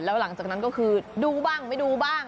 แล้วหลังจากนั้นก็คือดูบ้างไม่ดูบ้าง